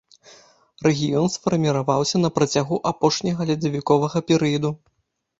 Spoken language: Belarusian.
Рэгіён сфарміраваўся на працягу апошняга ледавіковага перыяду.